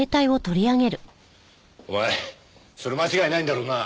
お前それ間違いないんだろうな？